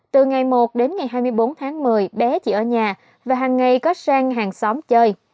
từ ngày một đến ngày hai mươi bốn tháng một mươi bé chỉ ở nhà và hàng ngày có sang hàng xóm chơi